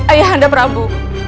ayah anda prabu